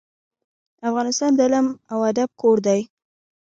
افغانستان د علم او ادب کور دی.